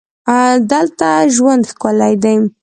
دلته ژوند ښکلی دی.